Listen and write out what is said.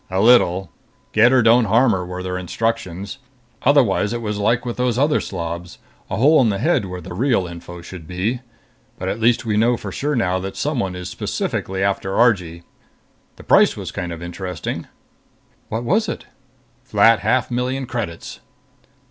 "A little. 'Get her, don't harm her' were their instructions. Otherwise it was like with those other slobs. A hole in the head where the real info should be. But at least we know for sure now that someone is specifically after Argee. The price was kind of interesting." "What was it?" "Flat half million credits."